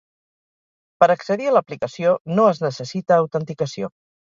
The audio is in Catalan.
Per accedir a l'aplicació no es necessita autenticació.